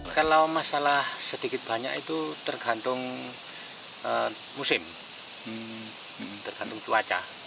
kalau masalah sedikit banyak itu tergantung musim tergantung cuaca